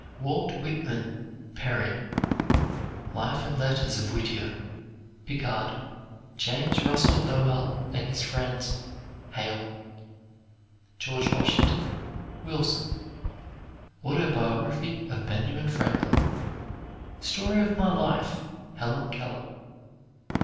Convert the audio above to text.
"Walt Whitman," Perry. "Life and Letters of Whittier," Pickard. "James Russell Lowell and His Friends," Hale. "George Washington," Wilson. Autobiography of Benjamin Franklin. "Story of My Life," Helen Keller.